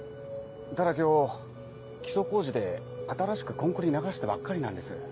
ただ今日基礎工事で新しくコンクリ流したばっかりなんです。